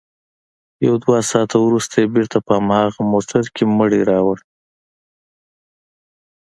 يو دوه ساعته وروسته يې بېرته په هماغه موټر کښې مړى راوړ.